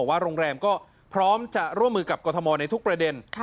ว่าโรงแรมก็พร้อมจะร่วมมือกับกรทมในทุกประเด็น